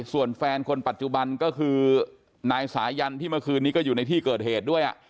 ส่วนแฟนคนปัจจุบันก็คือนายสายันที่เมื่อคืนนี้ก็อยู่ในที่เกิดเหตุด้วย